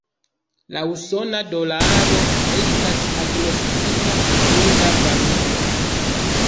La usona dolaro estas agnoskita fidinda valuto.